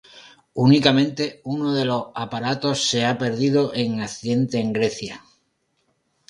Únicamente uno de los aparatos se ha perdido en accidente en Grecia.